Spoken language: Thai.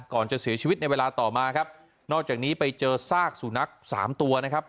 ก่อนจะเสียชีวิตในเวลาต่อมาครับนอกจากนี้ไปเจอซากสุนัขสามตัวนะครับ